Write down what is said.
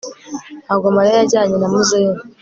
Ntabwo Mariya yajyanye na muzehe